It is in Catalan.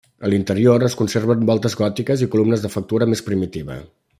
A l'interior es conserven voltes gòtiques i columnes de factura més primitiva.